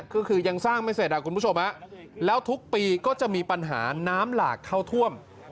ก็คือยังสร้างไม่เสร็จคุณผู้ชมแล้วทุกปีก็จะมีปัญหาน้ำหลากเข้าท่วม